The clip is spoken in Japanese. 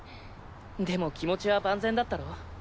でも気持ちは万全だったろ？